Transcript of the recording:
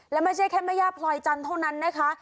และไม่ใช่แค่แม่ย่าพลอยจันทร์เท่านั้นนะคะ